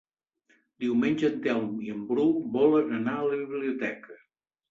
Diumenge en Telm i en Bru volen anar a la biblioteca.